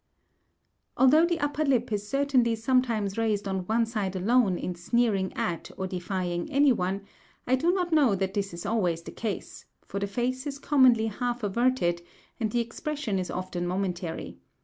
Although the upper lip is certainly sometimes raised on one side alone in sneering at or defying any one, I do not know that this is always the case, for the face is commonly half averted, and the expression is often momentary.